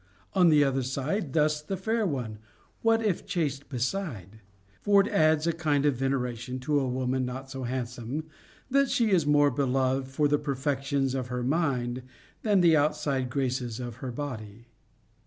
— on the other side, thus the fair one, What if chaste beside \ For it adds a kind of veneration to a woman not so handsome, that she is more beloved for the perfections of her mind than the outside graces of her body.